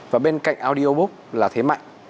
và bên cạnh audiobook là thế mạnh